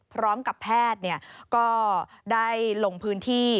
พร้อมกับแพทย์ก็ได้ลงพื้นที่